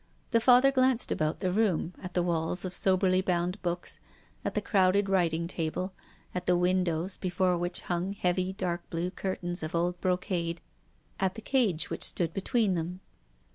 The Father glanced about the room, at the walls of soberly bound books, at the crowded writing table, at the windows, before which hung heavy, dark blue curtains of old brocade, at the cage, which stood between them.